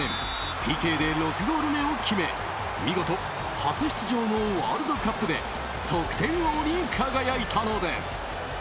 ＰＫで６ゴール目を決め見事、初出場のワールドカップで得点王に輝いたのです。